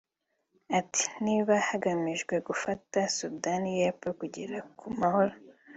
Ati “Niba hagamijwe gufasha Sudani y’Epfo kugera ku mahoro